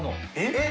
えっ？